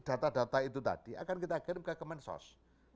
data data itu tadi akan kita kirim ke kemensos